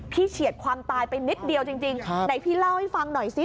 เฉียดความตายไปนิดเดียวจริงไหนพี่เล่าให้ฟังหน่อยซิ